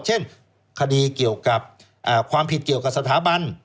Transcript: เช่นคดีเกี่ยวกับความผิดเกี่ยวกับสถาบัน